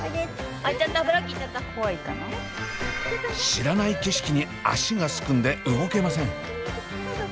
知らない景色に足がすくんで動けません。